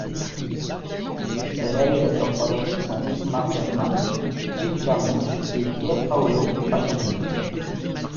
Ses réalisateurs favoris sont Ingmar Bergman, Jim Jarmusch, et Pier Paolo Pasolini.